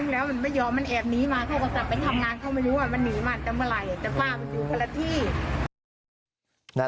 รู้ว่ามันหนีมาแต่เมื่อไหร่จะฝ้ามันอยู่คนละที่